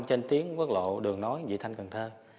trên tiếng quốc lộ đường nói dị thanh cần thơ